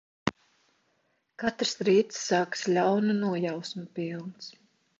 Katrs rīts sākas ļaunu nojausmu pilns.